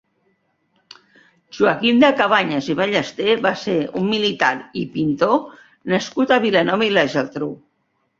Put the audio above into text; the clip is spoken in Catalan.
Joaquim de Cabanyes i Ballester va ser un militar i pintor nascut a Vilanova i la Geltrú.